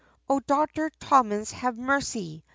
O Doctor Tommins have mercy!